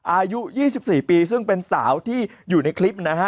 อายุ๒๔ปีซึ่งเป็นสาวที่อยู่ในคลิปนะฮะ